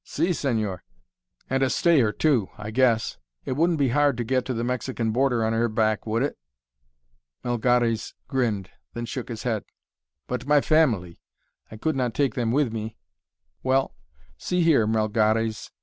"Si, señor." "And a stayer, too, I guess! It wouldn't be hard to get to the Mexican border on her back, would it?" Melgares grinned, then shook his head. "But my family I could not take them with me." "Well see here, Melgares.